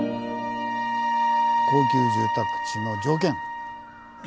高級住宅地の条件「緑」！